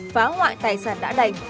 phá hoại tài sản đã đành